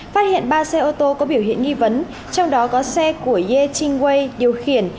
phát hiện ba xe ô tô có biểu hiện nghi vấn trong đó có xe của ye chingway điều khiển